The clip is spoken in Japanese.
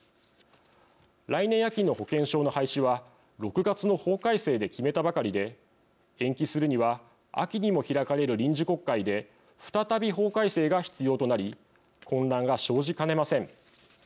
来年秋の保険証の廃止は６月の法改正で決めたばかりで延期するには秋にも開かれる臨時国会で再び法改正が必要となり混乱が生じかねません。